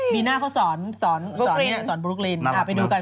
มีหน้าเขาสอนสอนบรุ๊คเลนไปดูกัน